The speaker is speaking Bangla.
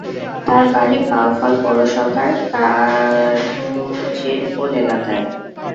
তাঁর বাড়ি বাউফল পৌরসভার কাগুজিরপুল এলাকায়।